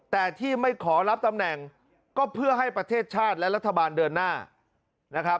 แต่ที่ไม่ขอรับตำแหน่งก็เพื่อให้ประเทศชาติและรัฐบาลเดินหน้านะครับ